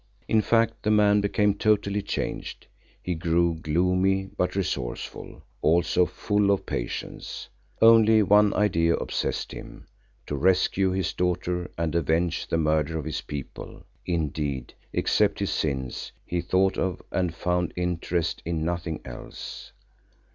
In fact, the man became totally changed. He grew gloomy but resourceful, also full of patience. Only one idea obsessed him—to rescue his daughter and avenge the murder of his people; indeed, except his sins, he thought of and found interest in nothing else.